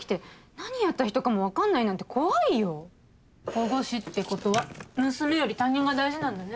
保護司ってことは娘より他人が大事なんだね。